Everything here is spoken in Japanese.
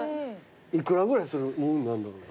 幾らぐらいするもんなんだろう？